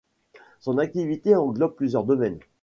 Son activité englobe plusieurs domaines.